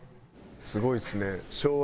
すごいですね。